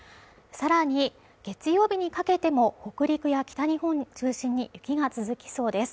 更に月曜日にかけても北陸や北日本を中心に雪が続きそうです